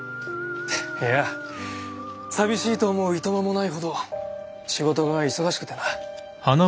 いや寂しいと思う暇もないほど仕事が忙しくてな。